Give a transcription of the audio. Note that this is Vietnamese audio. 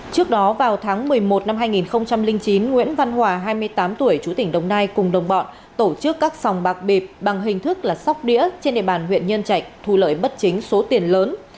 trước đó vào tháng một mươi một năm hai nghìn chín nguyễn văn hòa hai mươi tám tuổi chú tỉnh đồng nai cùng đồng bọn tổ chức các sòng bạc bịp bằng hình thức là sóc đĩa trên địa bàn huyện nhân trạch thu lợi bất chính số tiền lớn